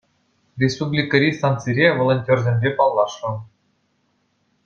Республикӑри станцире волонтерсемпе паллашрӑм.